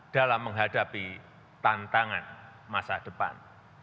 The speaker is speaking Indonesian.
dalam menghadapi tantangan masa depan